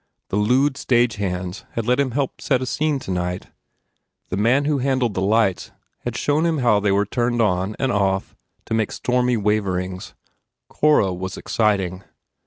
The lewd stagehands had let him help set a scene tonight. The man who handled the lights had shown him how they were turned on and off to make stormy waverings. Cora was exciting.